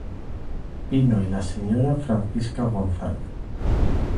Pino y la señora Francisca González.